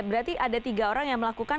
berarti ada tiga orang yang melakukan